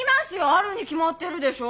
あるに決まってるでしょ。